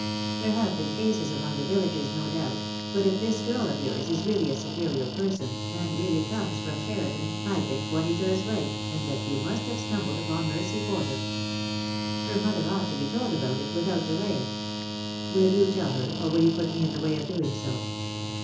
" There have been cases among the villagers, no doubt; but if this girl of yours is really a superior person, and really comes from Cheriton, I think Juanita is right, and that you must have stumbled upon Mercy Porter. Her mother ought to be told about it, without delay." "Will you tell her, or will you put me in the way of doing so?"